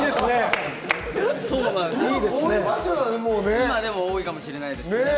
今、多いかもしれないですね。